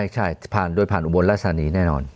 ใช่ผ่านโดยผ่านอุบลราชธานีแน่นอน